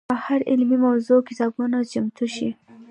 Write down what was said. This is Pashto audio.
په هره علمي موضوع کتابونه چمتو شي.